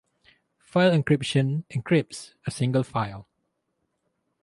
File encryption encrypts a single file.